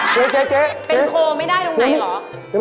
เจ๊เป็นโคไม่ได้ตรงไหนเหรอ